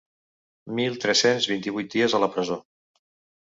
Mil tres-cents vint-i-vuit dies a la presó.